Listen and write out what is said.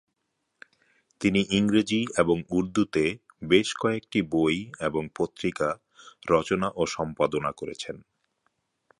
তিনি ইংরেজি এবং উর্দুতে বেশ কয়েকটি বই এবং পত্রিকা রচনা ও সম্পাদনা করেছেন।